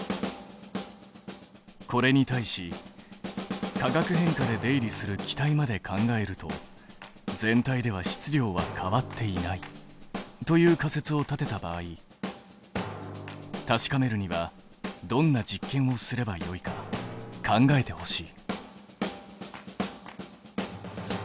これに対し化学変化で出入りする気体まで考えると「全体では質量は変わっていない」という仮説を立てた場合確かめるにはどんな実験をすればよいか考えてほしい。